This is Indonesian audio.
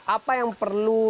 apa yang perlu